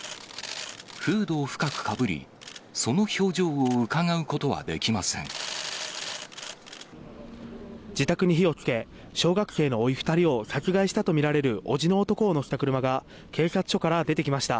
フードを深くかぶり、自宅に火をつけ、小学生のおい２人を殺害したと見られる伯父の男を乗せた車が警察署から出てきました。